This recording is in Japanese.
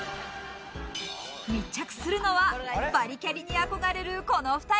密着するのは、バリキャリに憧れるこの２人。